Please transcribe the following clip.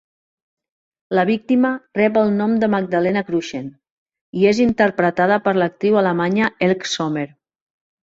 La víctima rep el nom de Magdalena Kruschen i és interpretada per l'actriu alemanya Elke Sommer.